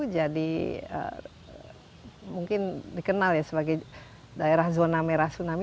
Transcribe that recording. jadi mungkin dikenal sebagai daerah zona merah tsunami